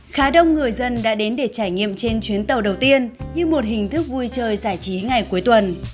khá đông người dân đã đến để trải nghiệm trên chuyến tàu đầu tiên như một hình thức vui chơi giải trí ngày cuối tuần